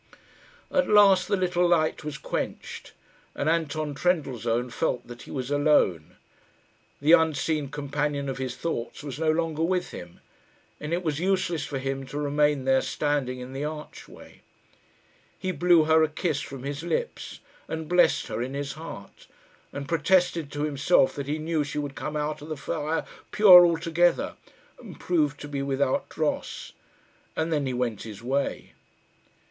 At last the little light was quenched, and Anton Trendellsohn felt that he was alone. The unseen companion of his thoughts was no longer with him, and it was useless for him to remain there standing in the archway. He blew her a kiss from his lips, and blessed her in his heart, and protested to himself that he knew she would come out of the fire pure altogether and proved to be without dross. And then he went his way.